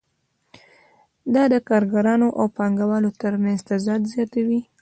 دا د کارګرانو او پانګوالو ترمنځ تضاد زیاتوي